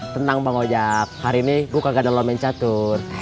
tentang bang ojak hari ini gua kagak dalam lomen catur